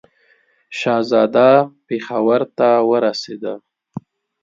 شهزاده پېښور ته ورسېدی.